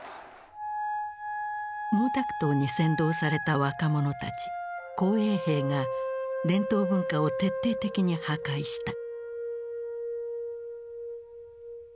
毛沢東に扇動された若者たち・紅衛兵が伝統文化を徹底的に破壊した。